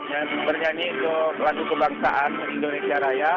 yang bernyanyi untuk lagu kebangsaan indonesia raya